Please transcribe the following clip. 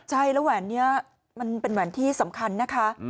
ใช่แล้วแหวนนี้มันเป็นแหวนที่สำคัญนะคะ